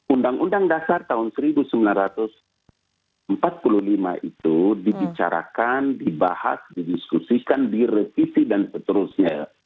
undang undang dasar tahun seribu sembilan ratus empat puluh lima itu dibicarakan dibahas didiskusikan direvisi dan seterusnya